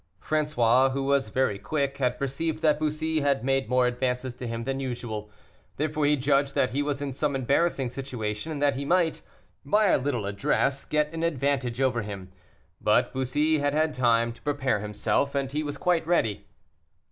François, who was very quick, had perceived that Bussy had made more advances to him than usual, therefore he judged that he was in some embarrassing situation, and that he might, by a little address, get an advantage over him. But Bussy had had time to prepare himself, and he was quite ready.